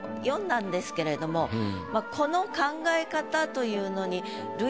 この考え方というのに。